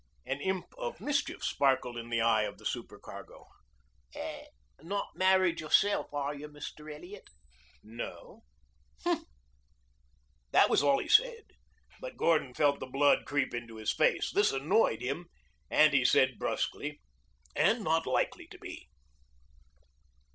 An imp of mischief sparkled in the eye of the supercargo. "Not married yourself, are you, Mr. Elliot?" "No." "Hmp!" That was all he said, but Gordon felt the blood creep into his face. This annoyed him, so he added brusquely, "And not likely to be."